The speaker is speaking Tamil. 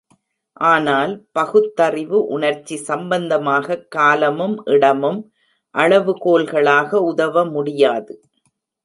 ஆனால், பகுத்தறிவு உணர்ச்சி சம்பந்தமாகக் காலமும் இடமும் அளவுகோல்களாக உதவ முடியாது.